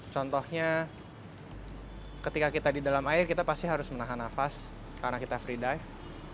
contohnya ketika kita di dalam air kita pasti harus menahan nafas karena kita free dive